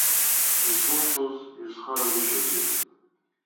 Исылшоз, исхарагәышьоузеи?!